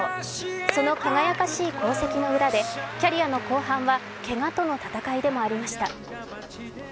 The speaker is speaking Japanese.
その輝かしい功績の裏でキャリアの後半はけがとの闘いでもありました。